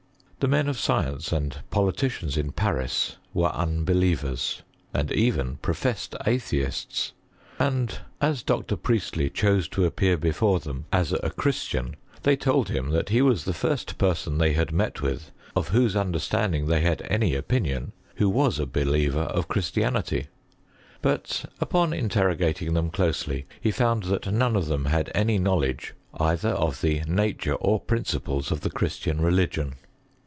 The men of science and poiiticiana ia Paris were unbelievers, and even professed atheista, and as Dr. Priestley chose to appear befoi'c them ae CHEMISTUT IK GREAT BRITAIN. 7 a Chriatian, they told him that he was the first per son they had met with, of whose understanding they had any opinion, who was a beheyer of Christianity ; but, upon interrogating them closely , he found that none of them had any knowledge either of the na< ture or principles of the Christian religion.